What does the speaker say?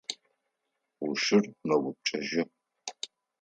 Ӏушыр мэупчӏэжьы.